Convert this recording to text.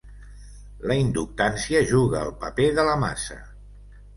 La inductància juga el paper de la massa.